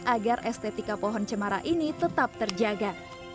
agar estetika pohon cemara ini tetap terjaga